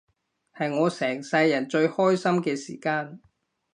係我成世人最開心嘅時間